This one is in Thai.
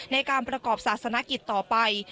ในการประกอบศาสนกิจต่อไป